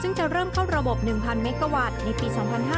ซึ่งจะเริ่มเข้าระบบ๑๐๐เมกะวัตต์ในปี๒๕๕๙